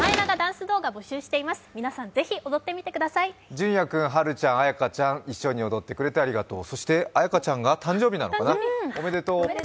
じゅんや君、はるかちゃん、あやかちゃん、一緒に踊ってくれてありがとう。